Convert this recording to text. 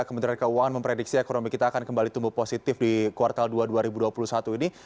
kementerian keuangan memprediksi ekonomi kita akan kembali tumbuh positif di kuartal dua dua ribu dua puluh satu ini